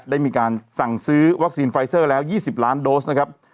ได้มีการสั่งซื้อวัคซีนไฟเซอร์แล้ว๒๐ล้านโดสนะครับ